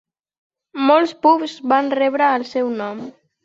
Molts pubs van rebre el seu nom.